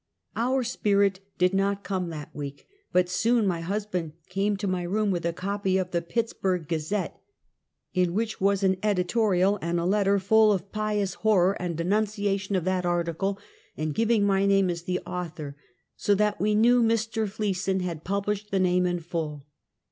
Our " Spirit" did not come that week; but soon my husband came to my room with a copy of " The Pitts burg Gazette," in which was an editorial and letter Mt Kame Appears in Print. 89 full of pious horror and denunciation of that article, and giving my name as the author; so that we knew Mr. Fleeson had published the name in full.